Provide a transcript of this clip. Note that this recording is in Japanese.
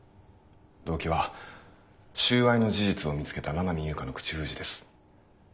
動機は収賄の事実を見つけた七海悠香の口封じです。